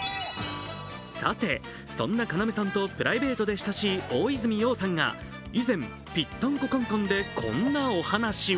さてそんな要さんとプライベートで親しい大泉洋さんが以前「ぴったんこカン・カン」でこんなお話を